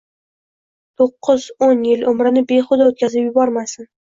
to'qqiz-o'n yil umrini behuda o‘tkazib yubormasin.